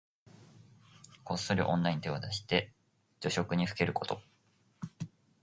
こっそり女に手を出して女色にふけること。